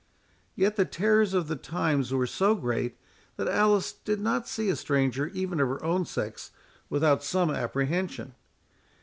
Yet the terrors of the times were so great, that Alice did not see a stranger even of her own sex without some apprehension.